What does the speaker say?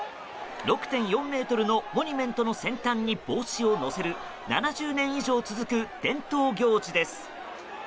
６．４ｍのモニュメントの先端に帽子を乗せる７０年以上続く伝統行事です。